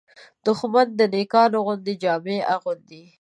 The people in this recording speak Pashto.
دښمن د نېکانو غوندې جامې اغوندي